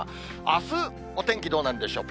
あすお天気どうなんでしょう。